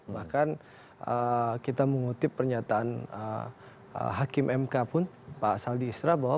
bahkan kita mengutip pernyataan hakim mk pun pak saldi isra bahwa